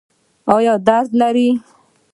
ایا درد لرئ؟